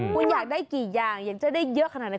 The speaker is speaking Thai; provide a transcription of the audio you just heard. คุณอยากได้กี่อย่างอยากจะได้เยอะขนาดไหน